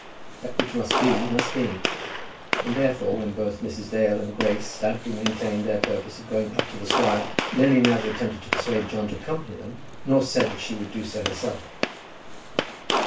That which must be, must be. And therefore when both Mrs. Dale and Grace stoutly maintained their purpose of going up to the squire, Lily neither attempted to persuade John to accompany them, nor said that she would do so herself.